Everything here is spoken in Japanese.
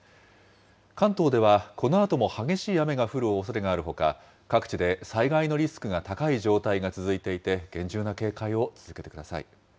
関東では、このあとも激しい雨が降るおそれがあるほか、各地で災害のリスクが高い状態が続いていて、厳重な警戒を続けてください。